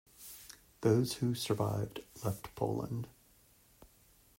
Those who survived left Poland.